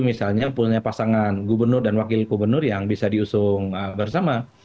misalnya punya pasangan gubernur dan wakil gubernur yang bisa diusung bersama